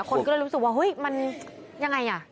คนก็เลยรู้สึกว่าเฮ้ยมันยังไงอ่ะ